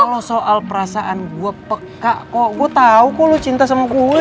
kalau soal perasaan gue peka kok gue tau kok lu cinta sama gue